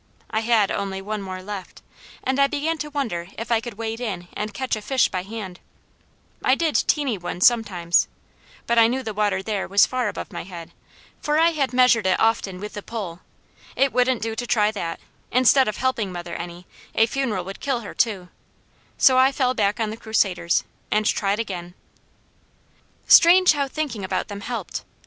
I had only one more left, and I began to wonder if I could wade in and catch a fish by hand; I did teeny ones sometimes, but I knew the water there was far above my head, for I had measured it often with the pole; it wouldn't do to try that; instead of helping mother any, a funeral would kill her, too, so I fell back on the Crusaders, and tried again. Strange how thinking about them helped.